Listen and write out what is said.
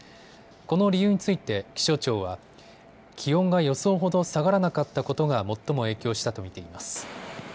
この理由について、気象庁は気温が予想ほど下がらなかったことが最も影響したと見ています。